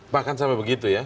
bahkan sampai begitu ya